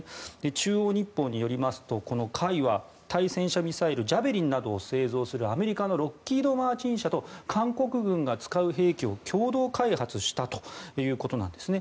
中央日報によりますとこのＫＡＩは対戦車ミサイルジャベリンなどを製造するアメリカのロッキード・マーチン社と韓国軍が使う兵器を共同開発したということなんですね。